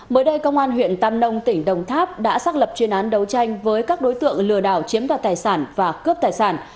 mới đây công an huyện tam nông tỉnh đồng tháp đã xác lập chuyên án đấu tranh với các đối tượng lừa đảo chiếm đoạt tài sản và cướp tài sản